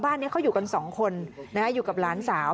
บ้านนี้เขาอยู่กันสองคนอยู่กับหลานสาว